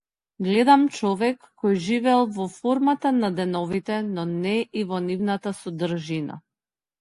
Гледам човек кој живеел во формата на деновите, но не и во нивната содржина.